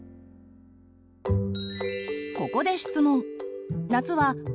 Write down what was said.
ここで質問。